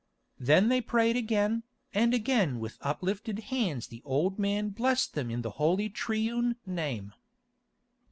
Then they prayed again, and again with uplifted hands the old man blessed them in the holy Triune Name.